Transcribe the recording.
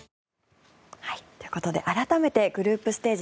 ということで改めてグループステージ